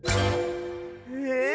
えっ？